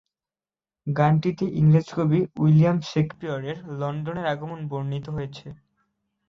গানটিতে ইংরেজ কবি উইলিয়াম শেকসপিয়রের লন্ডনের আগমন বর্ণিত হয়েছে।